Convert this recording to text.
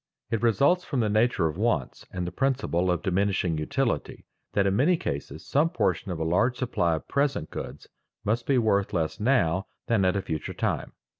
It results from the nature of wants and the principle of diminishing utility that in many cases some portion of a large supply of present goods must be worth less now than at a future time.